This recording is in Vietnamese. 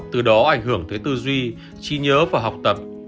từ đó ảnh hưởng tới tư duy trí nhớ và học tập